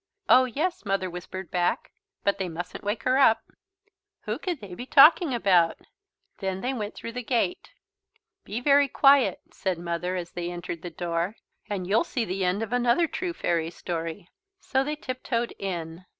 "Oh yes," Mother whispered back, "but they mustn't wake her up." Who could they be talking about? Then they went through the gate. "Be very quiet," said Mother as they entered the door, "and you'll see the end of another true fairy story." So they tiptoed in.